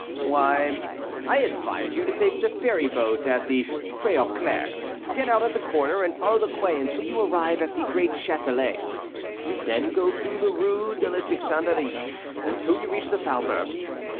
"Why, I advise you to take the ferry boat at the Pré aux Clercs, get out at the corner, and follow the quay until you arrive at the great Châtelet, and then go through the Rue de la Tixanderie, until you reach the faubourg.